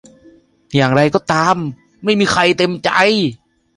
อย่างไรก็ตามไม่มีใครเต็มใจ